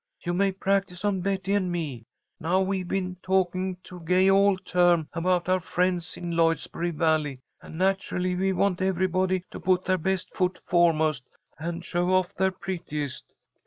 You may practise on Betty and me. Now we've been talking to Gay all term about our friends in Lloydsboro Valley, and naturally we want everybody to put their best foot foremost and show off their prettiest.